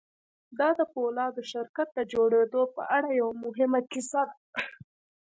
دا د پولادو شرکت د جوړېدو په اړه یوه مهمه کیسه ده